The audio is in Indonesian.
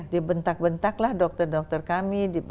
dibentak bentaklah dokter dokter kami